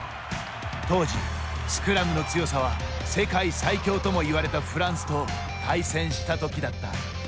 当時、スクラムの強さは世界最強ともいわれたフランスと対戦した時だった。